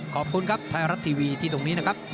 ขอบคุณครับไทยรัฐทีวีที่ตรงนี้นะครับ